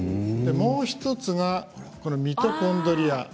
もう１つがミトコンドリア。